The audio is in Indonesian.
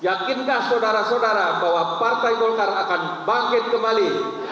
yakinkah saudara saudara bahwa partai golkar akan bangkit kembali